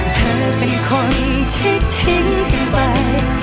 เธอเป็นคนที่ทิ้งกันไป